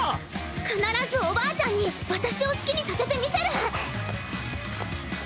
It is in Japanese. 必ずおばあちゃんに私を好きにさせてみせる！